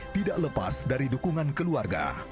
tidak lepas dari dukungan keluarga